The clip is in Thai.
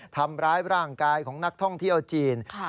ทำร้ายร่างกายของนักท่องเที่ยวจีน